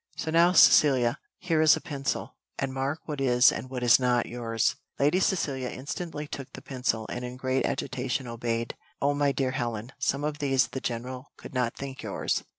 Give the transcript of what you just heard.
"So now, Cecilia, here is a pencil, and mark what is and what is not yours." Lady Cecilia instantly took the pencil, and in great agitation obeyed. "Oh, my dear Helen, some of these the general could not think yours.